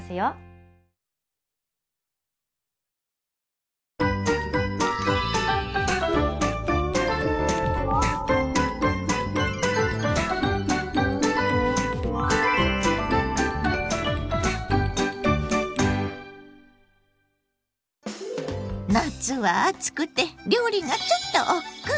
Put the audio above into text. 親子で夏は暑くて料理がちょっとおっくう。